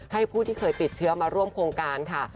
ผู้ที่เคยติดเชื้อมาร่วมโครงการค่ะ